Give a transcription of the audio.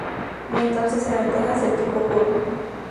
Ya entonces eran tejas del tipo curvo.